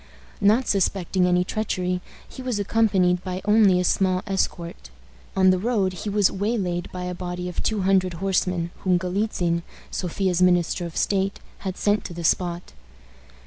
Not suspecting any treachery, he was accompanied by only a small escort. On the road he was waylaid by a body of two hundred horsemen, whom Galitzin, Sophia's minister of state, had sent to the spot.